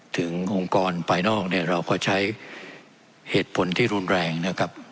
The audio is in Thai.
องค์กรภายนอกเนี่ยเราก็ใช้เหตุผลที่รุนแรงนะครับ